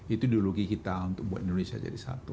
itu ideologi kita untuk buat indonesia jadi satu